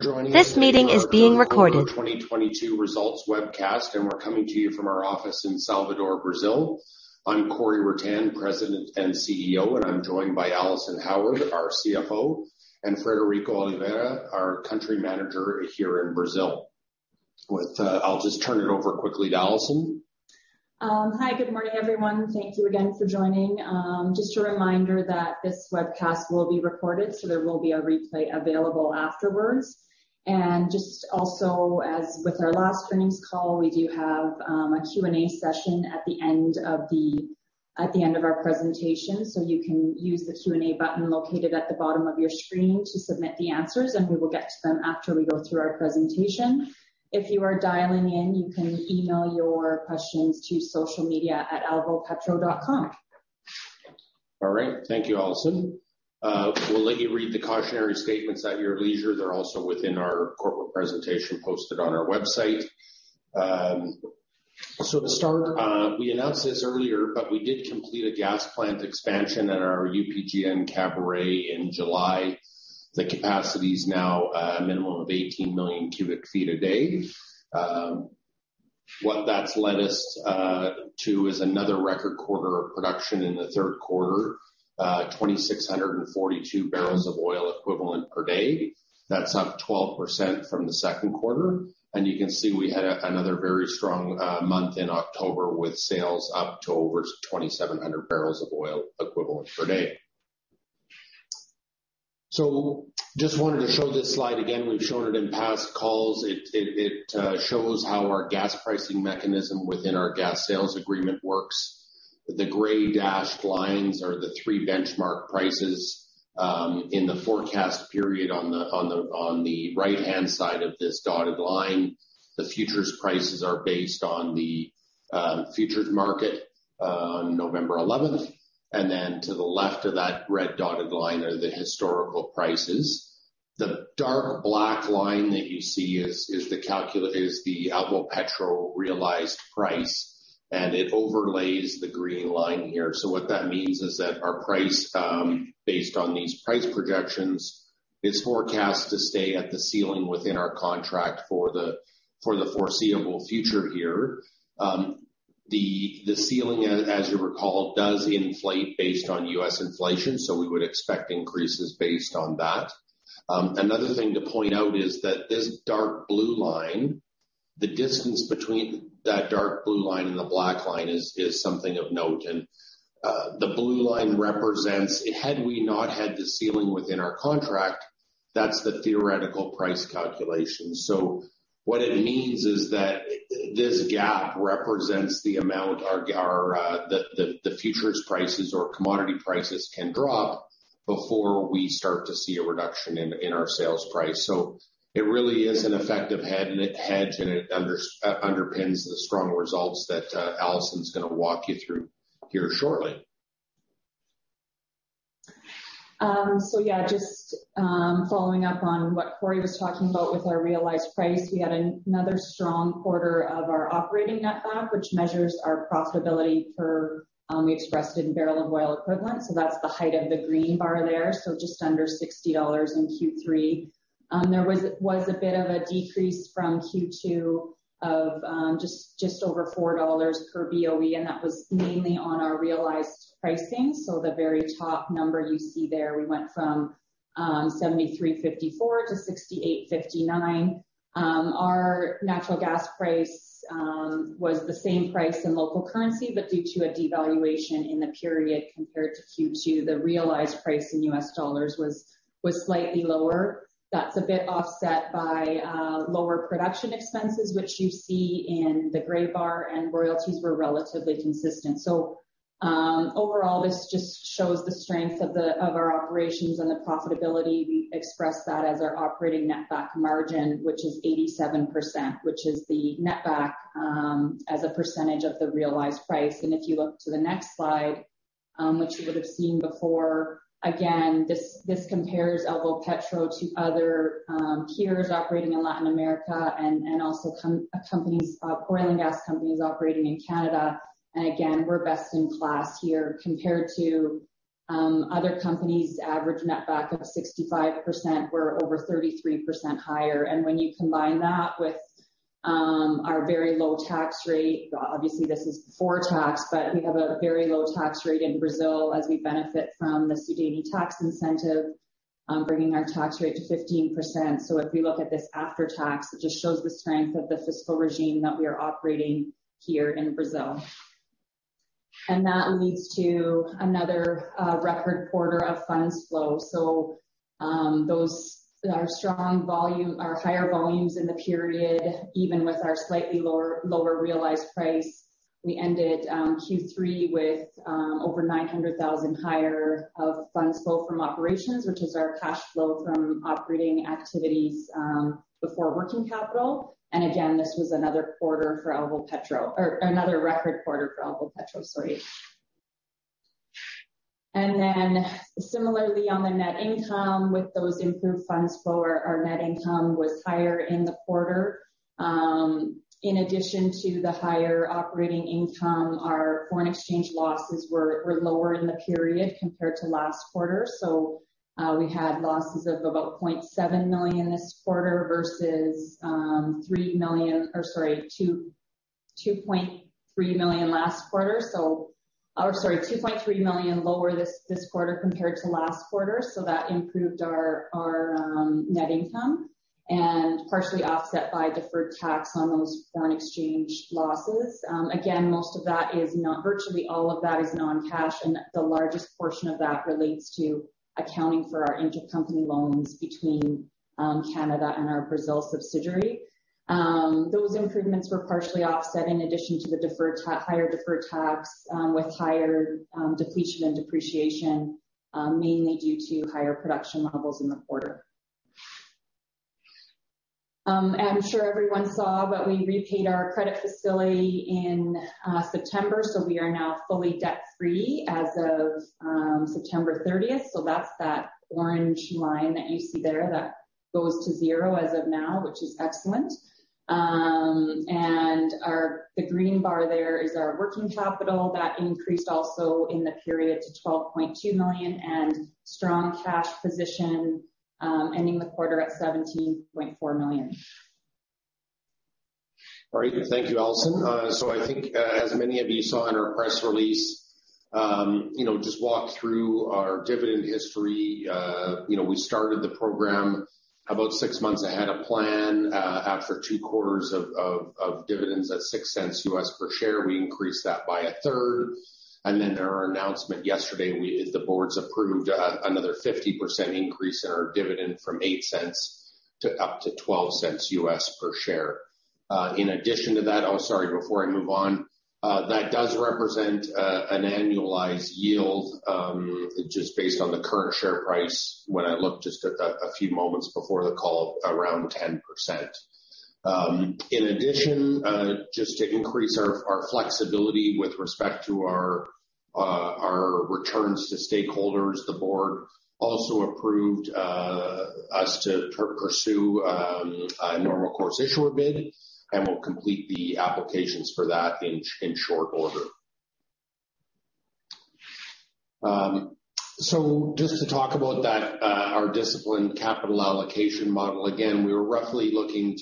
Joining us for the Alvopetro 2022 results webcast, we're coming to you from our office in Salvador, Brazil. I'm Corey Ruttan, President and CEO, and I'm joined by Alison Howard, our CFO, and Frederico Oliveira, our country manager here in Brazil. I'll just turn it over quickly to Alison. Hi, good morning, everyone. Thank you again for joining. Just a reminder that this webcast will be recorded, so there will be a replay available afterwards. Just also, as with our last earnings call, we do have a Q&A session at the end of our presentation. You can use the Q&A button, located at the bottom of your screen to submit the answers, and we will get to them after we go through our presentation. If you are dialing in, you can email your questions to info@alvopetro.com. All right. Thank you, Alison. We'll let you read the cautionary statements at your leisure. They're also within our corporate presentation posted on our website. To start, we announced this earlier, but we did complete a gas plant expansion at our UPGN Caburé in July. The capacity is now, a minimum of 18 million cubic feet a day. What that's led us to is another record quarter of production in the third quarter, 2,642 barrels of oil equivalent per day. That's up 12% from the second quarter. You can see we had another very strong month in October, with sales up to over 2,700 barrels of oil equivalent per day. Just wanted to show this slide again. We've shown it in past calls. It shows how our gas pricing mechanism within our gas sales agreement works. The gray dashed lines, are the three benchmark prices. In the forecast period on the right-hand side of this dotted line, the futures prices are based on the futures market on November eleventh. Then to the left of that red dotted line are the historical prices. The dark black line that you see is the Alvopetro realized price, and it overlays the green line here. What that means is that our price based on these price projections is forecast to stay at the ceiling within our contract for the foreseeable future here. The ceiling, as you recall, does inflate based on U.S. inflation, so we would expect increases based on that. Another thing to point out is that this dark blue line, the distance between that dark blue line and the black line is something of note. The blue line represents had we not had the ceiling within our contract, that's the theoretical price calculation. What it means is that, this gap represents the amount our futures prices or commodity prices can drop before we start to see a reduction in our sales price. It really is an effective head-hedge, and it underpins the strong results that Alison's gonna walk you through here shortly. Yeah, just following up on what Corey was talking about with our realized price. We had another strong quarter of our operating netback, which measures our profitability per BOE, expressed in barrels of oil equivalent. That's the height of the green bar there. Just under $60 in Q3. There was a bit of a decrease from Q2 of just over $4 per BOE, and that was mainly on our realized pricing. The very top number you see there, we went from $73.54 to $68.59. Our natural gas price was the same price in local currency, but due to a devaluation in the period compared to Q2, the realized price in US dollars was slightly lower. That's a bit offset by lower production expenses, which you see in the gray bar, and royalties were relatively consistent. Overall, this just shows the strength of our operations and the profitability. We express that as our operating netback margin, which is 87%, which is the netback as a percentage of the realized price. If you look to the next slide, which you would have seen before, again, this compares Alvopetro to other, peers operating in Latin America and also companies, oil and gas companies operating in Canada. Again, we're best in class here compared to other companies' average netback of 65%. We're over 33% higher. When you combine that with our very low tax rate, obviously this is before tax, but we have a very low tax rate in Brazil as we benefit from the SUDENE tax incentive, bringing our tax rate to 15%. If we look at this after tax, it just shows the strength of the fiscal regime that we are operating here in Brazil. That leads to another record quarter of funds flow. Those are higher volumes in the period, even with our slightly lower realized price. We ended Q3 with over $900,000 higher of funds flow from operations, which is our cash flow from operating activities before working capital. Again, this was another record quarter for Alvopetro. Then similarly on the net income with those improved funds flow, our net income was higher in the quarter. In addition to the higher operating income, our foreign exchange losses were lower in the period compared to last quarter. We had losses of about $0.7 million this quarter, versus $2.3 million last quarter. Two point three million lower this quarter compared to last quarter. That improved our net income, and partially offset by deferred tax on those foreign exchange losses. Again, virtually all of that is non-cash, and the largest portion of that relates to accounting for our intercompany loans between Canada and our Brazil subsidiary. Those improvements were partially offset in addition to the higher deferred tax with higher depletion and depreciation, mainly due to higher production levels in the quarter. I'm sure everyone saw, but we repaid our credit facility in September, so we are now fully debt-free as of September thirtieth. That's that orange line that you see there that goes to zero as of now, which is excellent. The green bar there is our working capital that increased also in the period to $12.2 million and strong cash position, ending the quarter at $17.4 million. All right. Thank you, Alison. I think, as many of you saw in our press release, you know, just walk through our dividend history. You know, we started the program about six months ahead of plan, after two quarters of dividends at $0.06 per share. We increased that by a third. In our announcement yesterday, the board approved another 50% increase in our dividend from $0.08 to up to $0.12 per share. Before I move on, that does represent an annualized yield, just based on the current share price, when I looked just a few moments before the call, around 10%. In addition, just to increase our flexibility with respect to our returns to stakeholders, the board also approved us to pursue a Normal Course Issuer Bid, and we'll complete the applications for that in short order. Just to talk about that, our disciplined capital allocation model. Again, we were roughly looking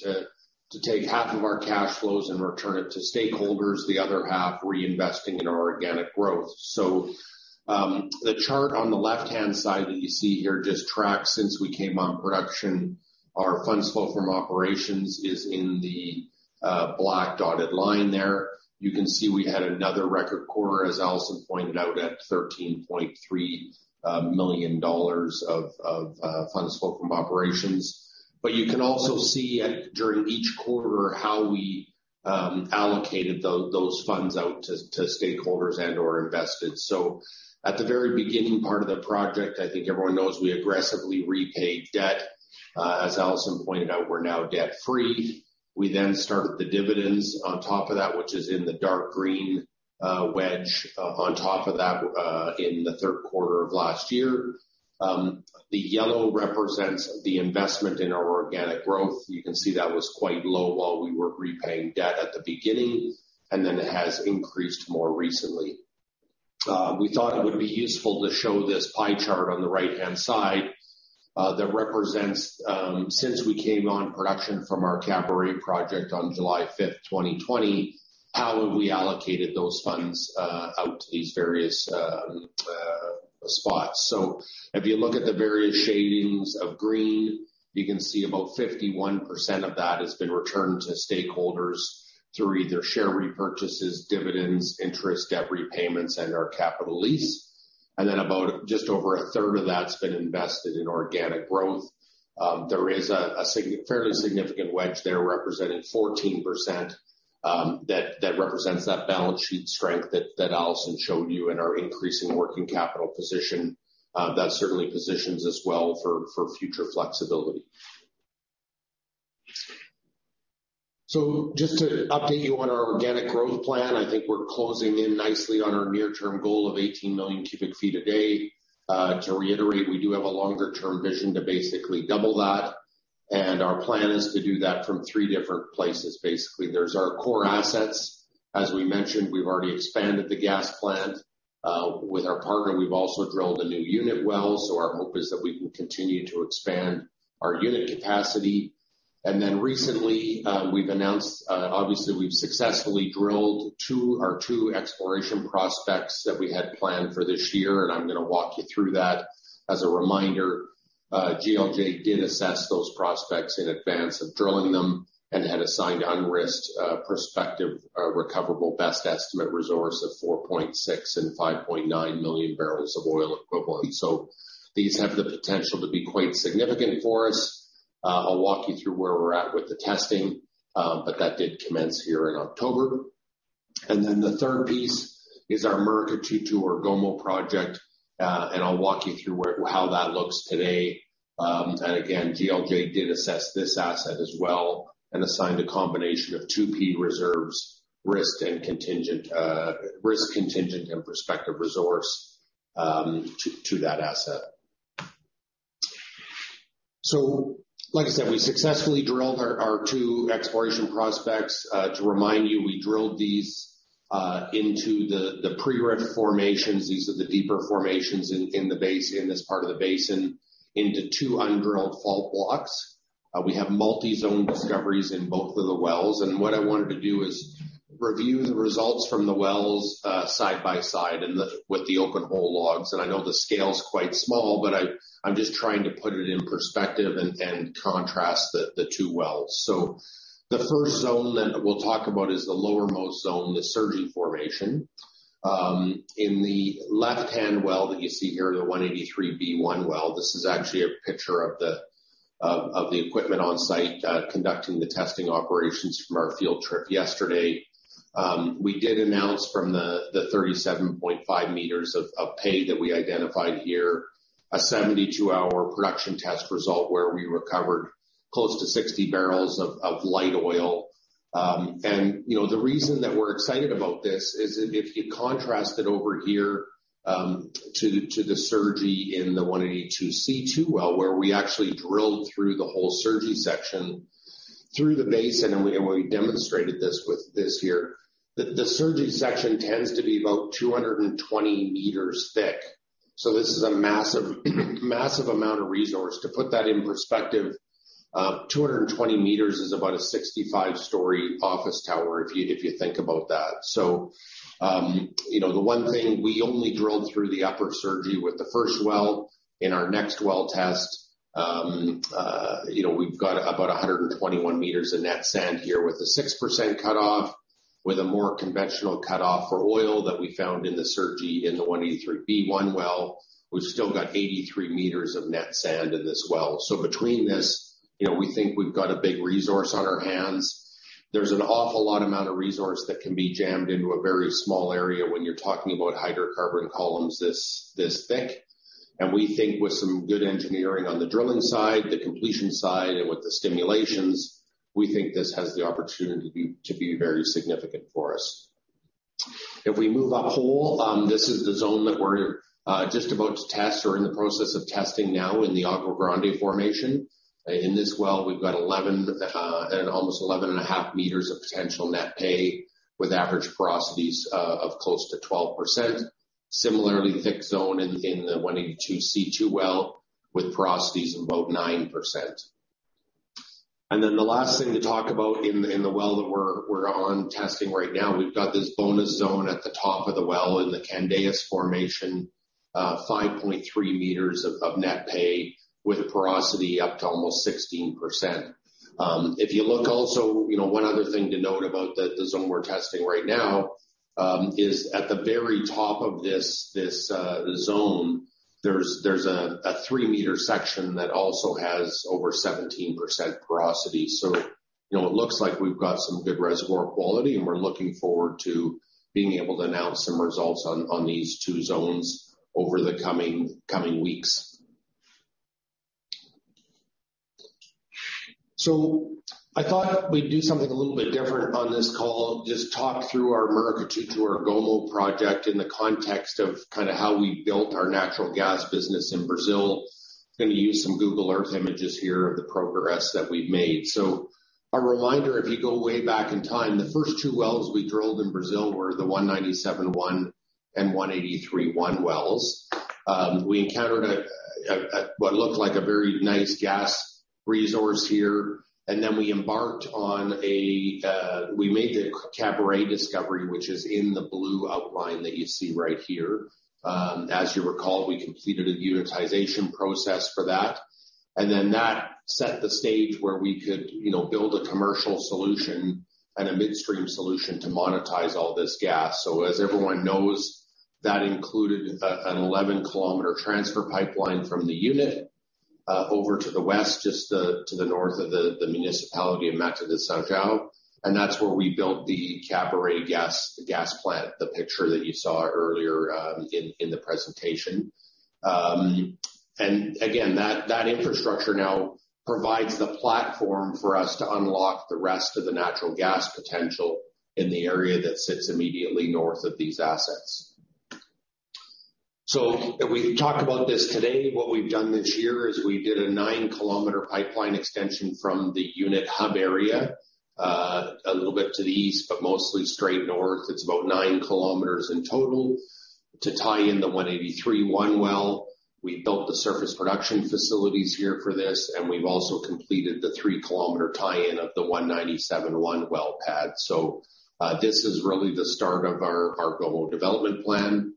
to take half of our cash flows and return it to stakeholders, the other half reinvesting in our organic growth. The chart on the left-hand side that you see here just tracks since we came on production. Our Funds Flow from Operations is in the black dotted line there. You can see we had another record quarter, as Alison pointed out, at $13.3 million of Funds Flow from Operations. You can also see during each quarter how we allocated those funds out to stakeholders and/or invested. At the very beginning part of the project, I think everyone knows we aggressively repaid debt. As Alison pointed out, we're now debt-free. We then started the dividends on top of that, which is in the dark green wedge on top of that in the third quarter of last year. The yellow represents the investment in our organic growth. You can see that was quite low while we were repaying debt at the beginning, and then it has increased more recently. We thought it would be useful to show this pie chart on the right-hand side, that represents, since we came on production from our Caburé project on July fifth, 2020, how have we allocated those funds out to these various spots. If you look at the various shadings of green, you can see about 51% of that has been returned to stakeholders through either share repurchases, dividends, interest, debt repayments, and our capital lease. Then about just over a third of that's been invested in organic growth. There is a fairly significant wedge there representing 14%, that represents that balance sheet strength that Alison showed you in our increasing working capital position. That certainly positions us well for future flexibility. Just to update you on our organic growth plan, I think we're closing in nicely on our near-term goal of 18 million cubic feet a day. To reiterate, we do have a longer-term vision to basically double that, and our plan is to do that from three different places. Basically, there's our core assets. As we mentioned, we've already expanded the gas plant. With our partner, we've also drilled a new unit well, so our hope is that we can continue to expand our unit capacity. Then recently, we've announced, obviously, we've successfully drilled our two exploration prospects that we had planned for this year, and I'm gonna walk you through that. As a reminder, GLJ did assess those prospects in advance of drilling them and had assigned unrisked prospective recoverable best estimate resource of 4.6 and 5.9 million barrels of oil equivalent. These have the potential to be quite significant for us. I'll walk you through where we're at with the testing, but that did commence here in October. Then the third piece is our Murucututu or Gomo project, and I'll walk you through how that looks today. Again, GLJ did assess this asset as well, and assigned a combination of 2P reserves, risked contingent and prospective resource to that asset. Like I said, we successfully drilled our two exploration prospects. To remind you, we drilled these into the pre-rift formations. These are the deeper formations in this part of the basin into two undrilled fault blocks. We have multi-zone discoveries in both of the wells. What I wanted to do is review the results from the wells side by side with the open hole logs. I know the scale is quite small, but I'm just trying to put it in perspective and contrast the two wells. The first zone that we'll talk about is the lowermost zone, the Sergi formation. In the left-hand well that you see here, the 183 B1 well, this is actually a picture of the equipment on site conducting the testing operations from our field trip yesterday. We did announce from the 37.5 meters of pay that we identified here, a 72-hour production test result where we recovered close to 60 barrels of light oil. You know, the reason that we're excited about this is if you contrast it over here, to the Sergi in the 182 C2 well, where we actually drilled through the whole Sergi section through the basin, and we demonstrated this with this here. The Sergi section tends to be about 220 meters thick. This is a massive amount of resource. To put that in perspective, 220 meters is about a 65-story office tower, if you think about that. You know, the one thing, we only drilled through the upper Sergi with the first well. In our next well test, you know, we've got about 121 meters of net sand here with a 6% cutoff, with a more conventional cutoff for oil that we found in the Sergi in the 183-B-1 well. We've still got 83 meters of net sand in this well. Between this, you know, we think we've got a big resource on our hands. There's an awful lot amount of resource that can be jammed into a very small area when you're talking about hydrocarbon columns this thick. We think with some good engineering on the drilling side, the completion side, and with the stimulations, we think this has the opportunity to be very significant for us. If we move up hole, this is the zone that we're just about to test or in the process of testing now in the Agua Grande formation. In this well, we've got 11 and almost 11.5 meters of potential net pay with average porosities of close to 12%. Similarly thick zone in the 182-C2 well with porosities of about 9%. The last thing to talk about in the well that we're on testing right now, we've got this bonus zone at the top of the well in the Candeias formation, 5.3 meters of net pay with a porosity up to almost 16%. If you look also, you know, one other thing to note about the zone we're testing right now, is at the very top of this zone, there's a three-meter section that also has over 17% porosity. You know, it looks like we've got some good reservoir quality, and we're looking forward to being able to announce some results on these two zones over the coming weeks. I thought we'd do something a little bit different on this call, just talk through our Murucututu to Argolo project in the context of kind of how we built our natural gas business in Brazil. Gonna use some Google Earth images here of the progress that we've made. A reminder, if you go way back in time, the first two wells we drilled in Brazil were the 197-1 and 183-1 wells. We encountered what looked like a very nice gas resource here. We made the Caburé discovery, which is in the blue outline that you see right here. As you recall, we completed a unitization process for that. Then that set the stage where we could, you know, build a commercial solution and a midstream solution to monetize all this gas. As everyone knows, that included an 11-kilometer transfer pipeline from the unit over to the west, just to the north of the municipality of Mata do São João. That's where we built the Caburé gas plant, the picture that you saw earlier, in the presentation. That infrastructure now provides the platform for us to unlock the rest of the natural gas potential in the area that sits immediately north of these assets. We talked about this today. What we've done this year is we did a nine kilometer pipeline extension from the unit hub area, a little bit to the east, but mostly straight north. It's about nine kilometers in total to tie in the 183-1 well. We built the surface production facilities here for this, and we've also completed the three kilometer tie-in of the 197-1 well pad. This is really the start of our Argolo development plan.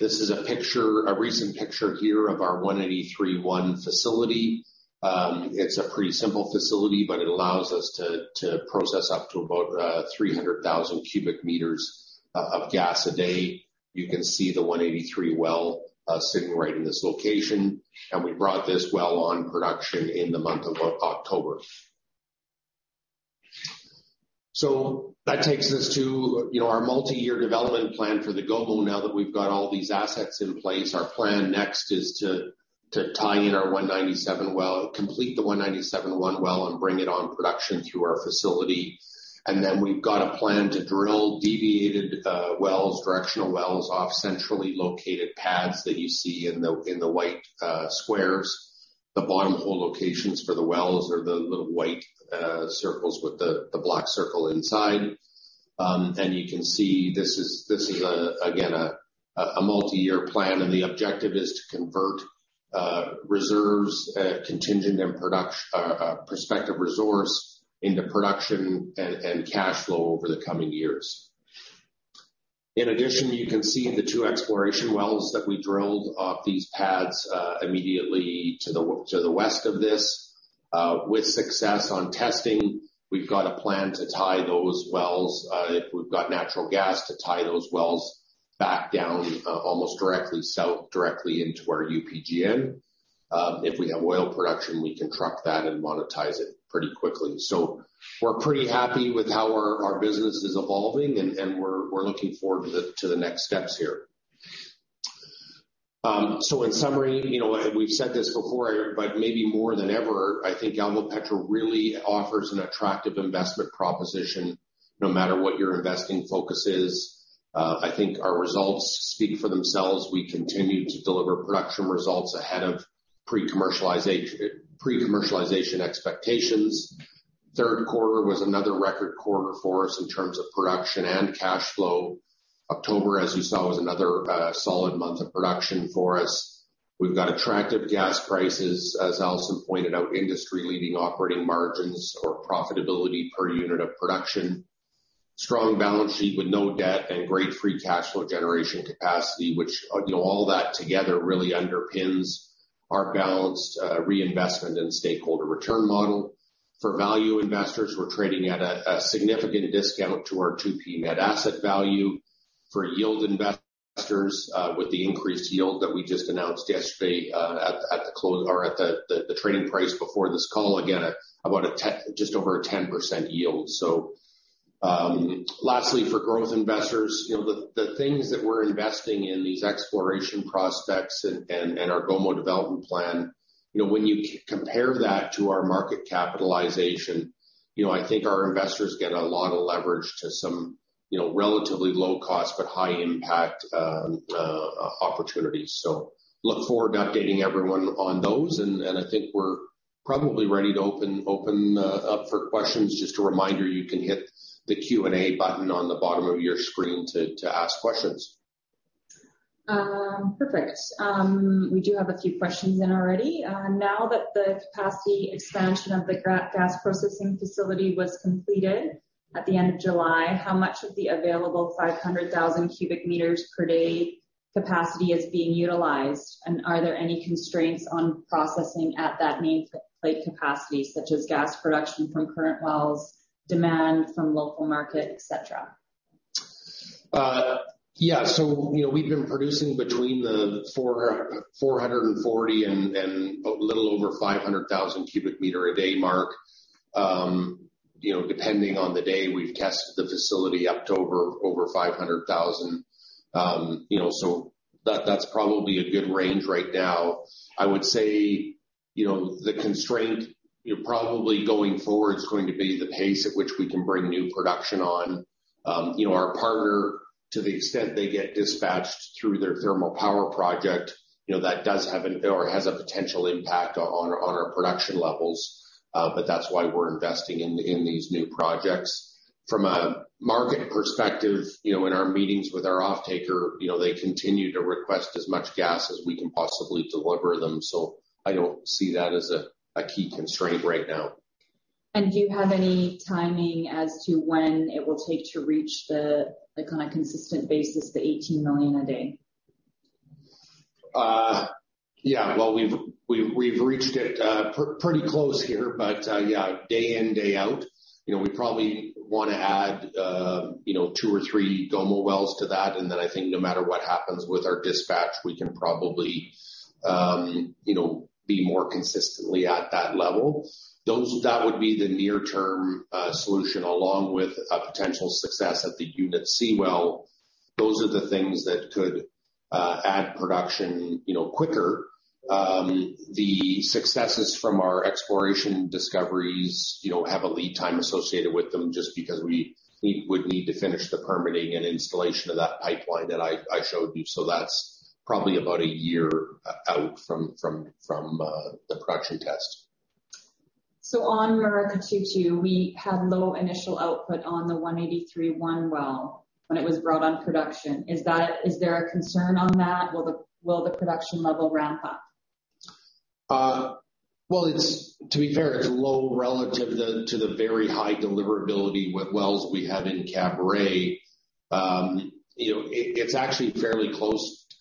This is a picture, a recent picture here of our 183-1 facility. It's a pretty simple facility, but it allows us to process up to about 300,000 cubic meters of gas a day. You can see the 183 well sitting right in this location. We brought this well on production in the month of October. That takes us to, you know, our multi-year development plan for the Gomo now that we've got all these assets in place, our plan next is to tie in our 197 well, complete the 197-1 well and bring it on production through our facility. Then we've got a plan to drill deviated wells, directional wells off centrally located pads that you see in the white squares. The bottom hole locations for the wells are the little white circles with the black circle inside. You can see this is again a multi-year plan, and the objective is to convert reserves, contingent and prospective resource into production and cash flow over the coming years. In addition, you can see the two exploration wells that we drilled off these pads immediately to the west of this. With success on testing, we've got a plan, if we've got natural gas, to tie those wells back down almost directly south, directly into our UPGN. If we have oil production, we can truck that and monetize it pretty quickly. We're pretty happy with how our business is evolving and we're looking forward to the next steps here. In summary, you know, we've said this before, but maybe more than ever, I think Alvopetro really offers an attractive investment proposition, no matter what your investing focus is. I think our results speak for themselves. We continue to deliver production results ahead of pre-commercialization expectations. Third quarter was another record quarter for us in terms of production and cash flow. October, as you saw, was another solid month of production for us. We've got attractive gas prices, as Allison pointed out, industry-leading operating margins or profitability per unit of production. Strong balance sheet with no debt and great free cash flow generation capacity, which, you know, all that together really underpins our balanced reinvestment and stakeholder return model. For value investors, we're trading at a significant discount to our 2P Net Asset Value. For yield investors, with the increased yield that we just announced yesterday, at the close or at the trading price before this call, again at about just over a 10% yield. Lastly, for growth investors, you know, the things that we're investing in, these exploration prospects and our Gomo development plan, you know, when you compare that to our market capitalization, you know, I think our investors get a lot of leverage to some, you know, relatively low cost but high impact opportunities. Look forward to updating everyone on those, and I think we're probably ready to open up for questions. Just a reminder, you can hit the Q&A button on the bottom of your screen to ask questions. Perfect. We do have a few questions in already. Now that the capacity expansion of the gas processing facility was completed at the end of July, how much of the available 500,000 cubic meters per day capacity is being utilized? And are there any constraints on processing at that nameplate capacity, such as gas production from current wells, demand from local market, et cetera? Yeah. You know, we've been producing between 440 and a little over 500,000 cubic meters a day mark. You know, depending on the day, we've tested the facility in October over 500,000. You know, that's probably a good range right now. I would say, you know, the constraint, you know, probably going forward is going to be the pace at which we can bring new production on. You know, our partner, to the extent they get dispatched through their thermal power project, you know, that does have a potential impact on our production levels, but that's why we're investing in these new projects. From a market perspective, you know, in our meetings with our offtaker, you know, they continue to request as much gas as we can possibly deliver them. I don't see that as a key constraint right now. Do you have any timing as to when it will take to reach the kinda consistent basis, the 18 million a day? Yeah. Well, we've reached it pretty close here. Yeah, day in, day out, you know, we probably wanna add, you know, two or three Gomo wells to that. I think no matter what happens with our dispatch, we can probably, you know, be more consistently at that level. Those. That would be the near term solution along with a potential success at the Unit C well. Those are the things that could add production, you know, quicker. The successes from our exploration discoveries, you know, have a lead time associated with them just because we would need to finish the permitting and installation of that pipeline that I showed you. That's probably about a year out from the production test. On Maraca Two, we had low initial output on the 183-1 well when it was brought on production. Is there a concern on that? Will the production level ramp up? To be fair, it's low relative to the very high deliverability with wells we have in Caburé. You know, it's actually fairly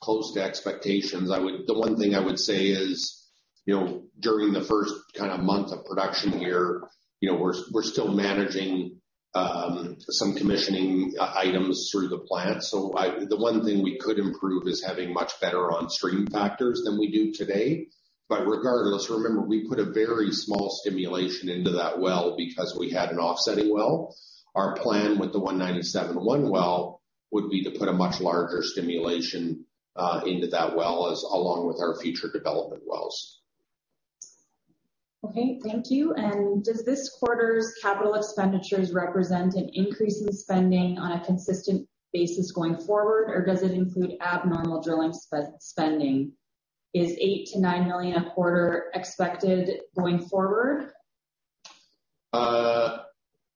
close to expectations. The one thing I would say is, you know, during the first kind of month of production here, you know, we're still managing some commissioning items through the plant. The one thing we could improve is having much better on stream factors than we do today. Regardless, remember, we put a very small stimulation into that well because we had an offsetting well. Our plan with the 197-1 well would be to put a much larger stimulation into that well as well as our future development wells. Okay. Thank you. Does this quarter's capital expenditures represent an increase in spending on a consistent basis going forward, or does it include abnormal drilling spending? Is $8 million-$9 million a quarter expected going forward?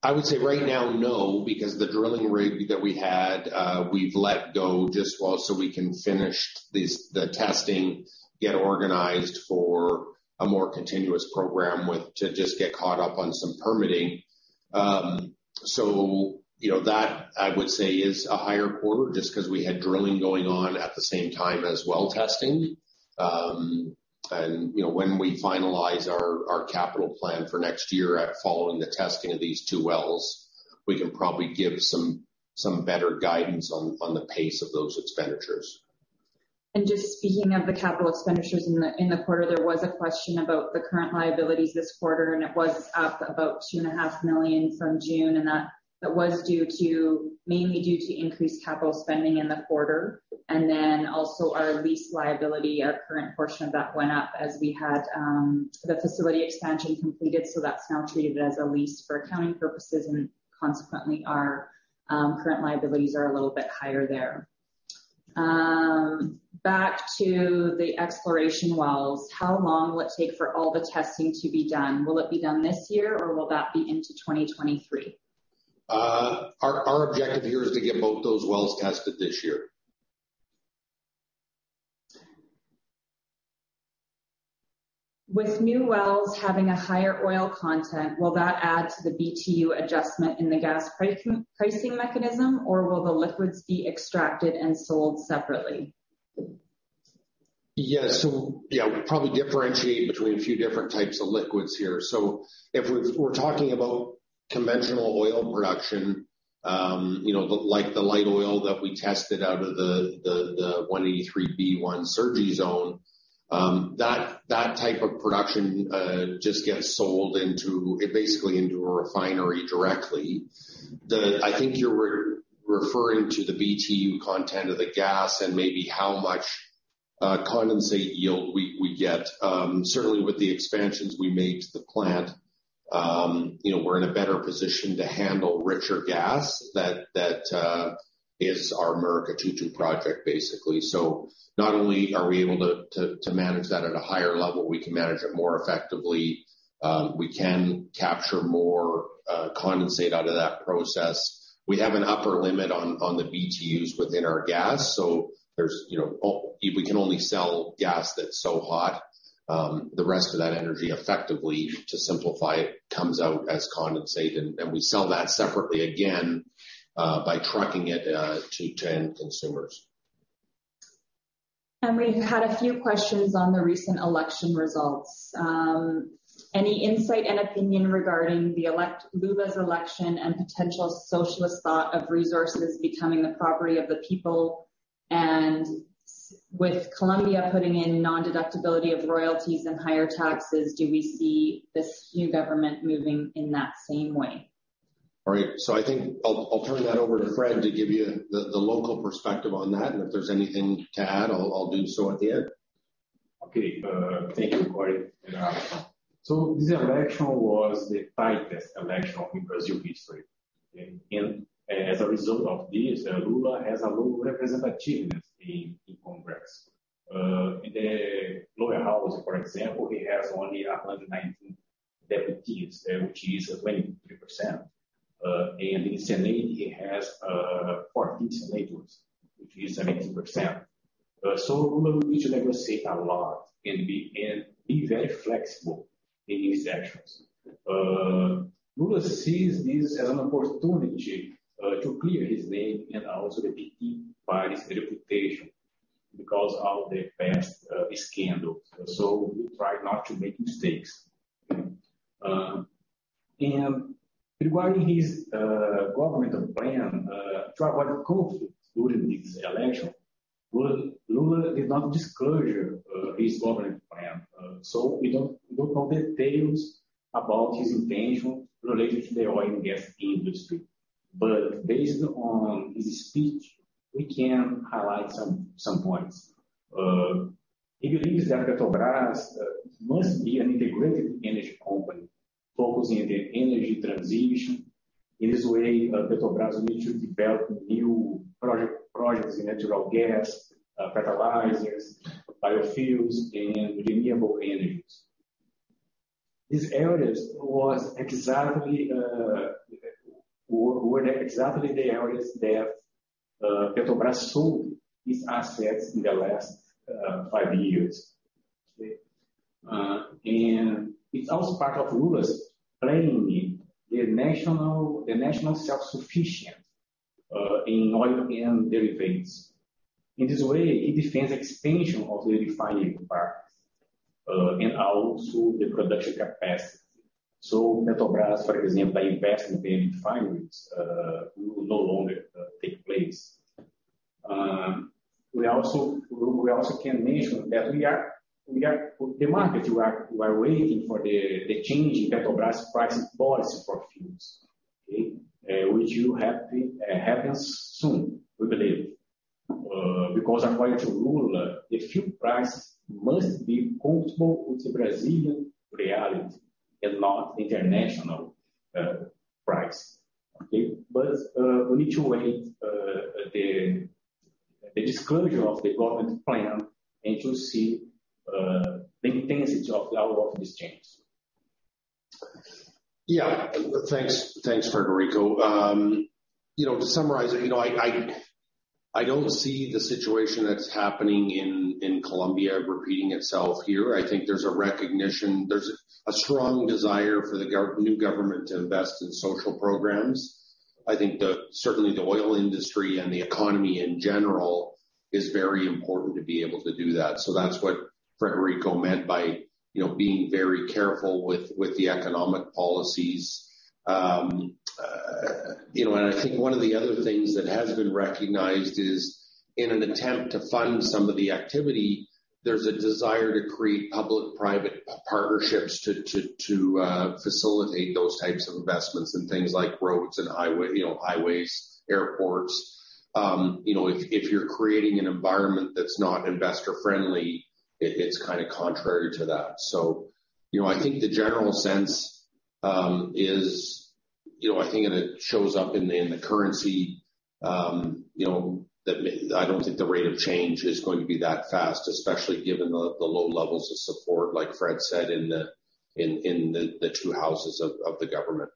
I would say right now, no, because the drilling rig that we had, we've let go just for a while so we can finish the testing, get organized for a more continuous program to just get caught up on some permitting. You know, that I would say is a higher quarter just 'cause we had drilling going on at the same time as well as testing. You know, when we finalize our capital plan for next year, following the testing of these two wells, we can probably give some better guidance on the pace of those expenditures. Just speaking of the capital expenditures in the quarter, there was a question about the current liabilities this quarter, and it was up about $2.5 million from June, and that was mainly due to increased capital spending in the quarter. Then also our lease liability, our current portion of that went up as we had the facility expansion completed. That's now treated as a lease for accounting purposes, and consequently our current liabilities are a little bit higher there. Back to the exploration wells. How long will it take for all the testing to be done? Will it be done this year, or will that be into 2023? Our objective here is to get both those wells tested this year. With new wells having a higher oil content, will that add to the BTU adjustment in the gas pricing mechanism, or will the liquids be extracted and sold separately? We probably differentiate between a few different types of liquids here. If we're talking about conventional oil production, you know, the light oil that we tested out of the 183-B1 Sergi zone, that type of production, just gets sold basically into a refinery directly. I think you're referring to the BTU content of the gas and maybe how much condensate yield we get. Certainly with the expansions we made to the plant, you know, we're in a better position to handle richer gas that is our Murucututu project, basically. Not only are we able to manage that at a higher level, we can manage it more effectively. We can capture more condensate out of that process. We have an upper limit on the BTUs within our gas. There's, you know, we can only sell gas that's so hot. The rest of that energy effectively, to simplify it, comes out as condensate, and we sell that separately again by trucking it to end consumers. We've had a few questions on the recent election results. Any insight and opinion regarding Lula's election and potential socialist thought of resources becoming the property of the people. With Colombia putting in nondeductibility of royalties and higher taxes, do we see this new government moving in that same way? All right. I think I'll turn that over to Fred to give you the local perspective on that. If there's anything to add, I'll do so at the end. Okay. Thank you, Corey. This election was the tightest election in Brazilian history. As a result of this, Lula has a low representativeness in Congress. In the lower house, for example, he has only 119 deputies, which is 23%. In Senate he has 14 senators, which is 17%. Lula will need to negotiate a lot and be very flexible in his actions. Lula sees this as an opportunity to clear his name and also the PT party's reputation because of the past scandal. He will try not to make mistakes. Regarding his governmental plan, throughout the conflict during this election, Lula did not disclose his government plan. We don't know details about his intention related to the oil and gas industry. Based on his speech, we can highlight some points. He believes that Petrobras must be an integrated energy company focusing on the energy transition. In this way, Petrobras needs to develop new projects in natural gas, fertilizers, biofuels, and renewable energies. These areas were exactly, the areas that Petrobras sold its assets in the last five years. It's also part of Lula's planning the national self-sufficiency in oil and derivatives. In this way, he defends expansion of the refining parts and also the production capacity. Petrobras, for example, investing in refineries, will no longer take place. We also can mention that we are, waiting for the change in Petrobras pricing policy for fuels, okay? Which will happen soon, we believe. Because according to Lula, the fuel price must be comfortable with the Brazilian reality and not international price. We need to wait for the disclosure of the government plan and to see the intensity of this change. Yeah. Thanks, Frederico. You know, to summarize it, you know, I don't see the situation that's happening in Colombia repeating itself here. I think there's a recognition, there's a strong desire for the new government to invest in social programs. I think certainly the oil industry and the economy in general, is very important to be able to do that. That's what Frederico meant by, you know, being very careful with the economic policies. You know, I think one of the other things that has been recognized is in an attempt to fund some of the activity, there's a desire to create public-private partnerships to facilitate those types of investments in things like roads and highways, airports. You know, if you're creating an environment that's not investor friendly, it's kind of contrary to that. You know, I think the general sense is, you know, I think and it shows up in the currency, you know, that I don't think the rate of change is going to be that fast, especially given the low levels of support, like Fred said in the two houses of the government.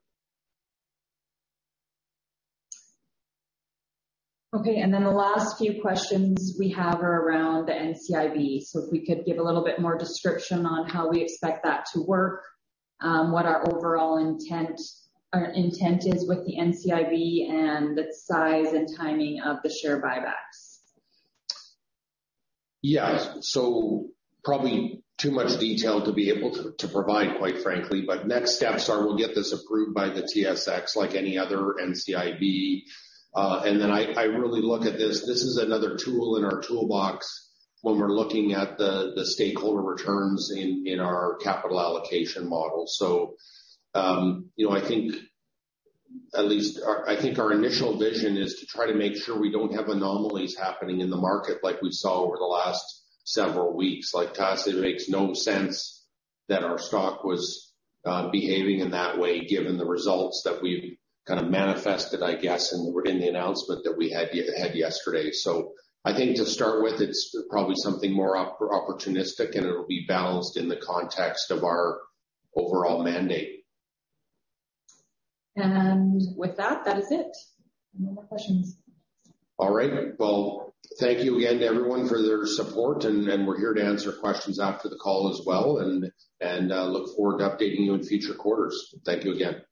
Okay. The last few questions we have are around the NCIB. If we could give a little bit more description on how we expect that to work, what our overall intent is with the NCIB and the size and timing of the share buybacks. Yeah. Probably too much detail to be able to provide, quite frankly. Next steps are we'll get this approved by the TSX like any other NCIB. I really look at this. This is another tool in our toolbox, when we're looking at the stakeholder returns in our capital allocation model. You know, I think, our initial vision is to try to make sure we don't have anomalies happening in the market like we saw over the last several weeks. Like, to us, it makes no sense, that our stock was behaving in that way given the results that we've kind of manifested, I guess, in the announcement that we had yesterday. I think to start with, it's probably something more opportunistic, and it'll be balanced in the context of our overall mandate. With that is it. No more questions. All right. Well, thank you again to everyone for their support and we're here to answer questions after the call as well and look forward to updating you in future quarters. Thank you again.